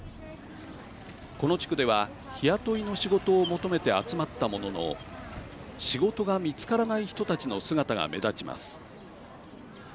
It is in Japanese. この地区では、日雇いの仕事を求めて集まったものの仕事が見つからない人たちの姿が目立ちます。